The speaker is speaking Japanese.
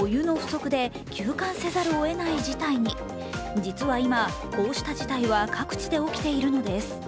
実は今、こうした事態は各地で起きているのです。